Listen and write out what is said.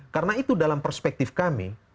karena itu dalam perspektif kami